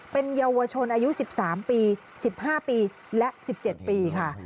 เป็นเยาวชนอายุ๑๓ปี๑๕ปีและ๑๗ปีค่ะ